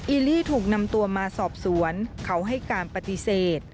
ีลี่ถูกนำตัวมาสอบสวนเขาให้การปฏิเสธ